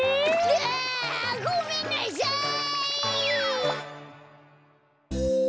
うわごめんなさい！